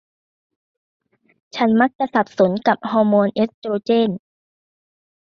ฉันมักจะสับสนกับฮอร์โมนเอสโตรเจน